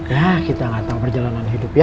ya kita gak tahu perjalanan hidup ya